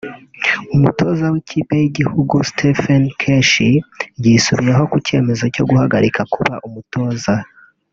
umutoza w’ikipe y’iki gihugu Stephen Keshi yisubiyeho ku cyemezo cyo guhagarika kuba umutoza